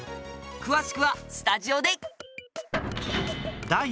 詳しくはスタジオで。